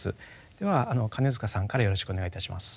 では金塚さんからよろしくお願いいたします。